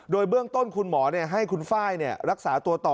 โดยเบื้องต้นคุณหมอเนี่ยให้คุณฝ้ายเนี่ยรักษาตัวต่อ